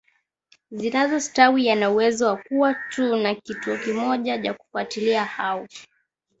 zinazostawi yana uwezo wa kuwa tu na kituo kimoja cha kufuatilia au